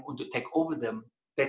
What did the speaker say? untuk mengambil alih mereka